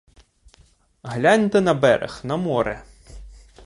Гляньте на берег, на море!